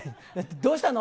どうしたの？